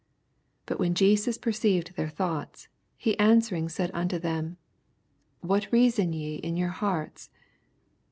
22 But when Jesus perceived their thoughts, he answering said unto them, Wnat reason ye in your hearts